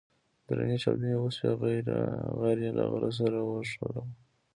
درنې چاودنې وسوې غر يې له غره سره وښوراوه.